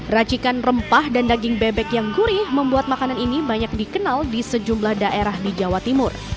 racikan rempah dan daging bebek yang gurih membuat makanan ini banyak dikenal di sejumlah daerah di jawa timur